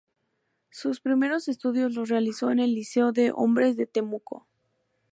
Sus primeros estudios los realizó en el Liceo de Hombres de Temuco.